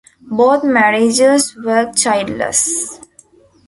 Both marriages were childless.